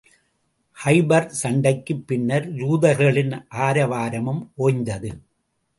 கைபர் சண்டைக்குப் பின்னர், யூதர்களின் ஆரவாரமும் ஒய்ந்தது.